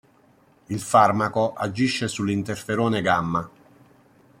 Il farmaco agisce sul interferone gamma.